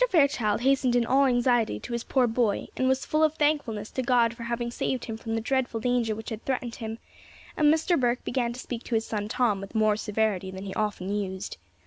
Fairchild hastened in all anxiety to his poor boy; and was full of thankfulness to God for having saved him from the dreadful danger which had threatened him; and Mr. Burke began to speak to his son Tom with more severity than he often used.